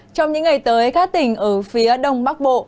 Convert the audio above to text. trong những ngày tới các tỉnh ở phía đông bắc bộ